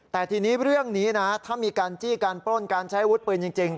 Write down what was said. แต่ทีนี้เรื่องนี้นะถ้ามีการจี้การปล้นการใช้อาวุธปืนจริง